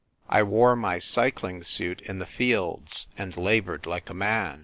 1 wore my cycling suit in the fields, and laboured like a man.